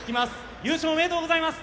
優勝、おめでとうございます。